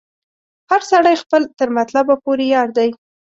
هر سړی خپل تر مطلبه پوري یار دی